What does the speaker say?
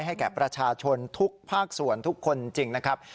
แก่ประชาชนทุกภาคส่วนทุกคนจริงนะครับ